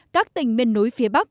các tỉnh miền núi phía bắc